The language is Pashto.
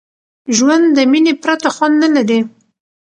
ژوند د میني پرته خوند نه لري.